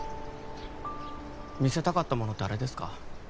見せたかったものってあれですか？